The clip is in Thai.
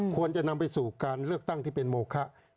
ควรจะนำไปสู่การเลือกตั้งที่เป็นโมคะ